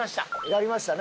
やりましたね。